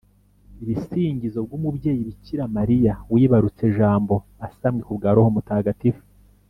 ibisingizo bw’umubyeyi Bikiramariya wibarutse Jambo asamwe ku bwa Roho Mutagatifu